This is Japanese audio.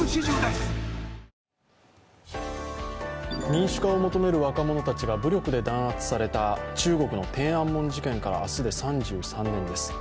民主化を求める若者たちが武力で弾圧された中国の天安門事件から明日で３３年です。